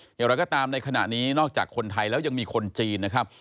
อย่างไรก็ตามในขณะนี้นอกจากคนไทยแล้วยังมีคนจีนนะครับ